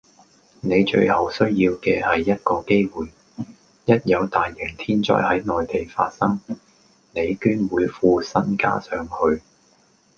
你最後需要既係一個機會，一有大型天災係內地發生，你捐會副身家上去